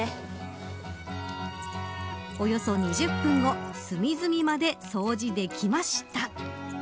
およそ２０分後すみずみまで掃除できました。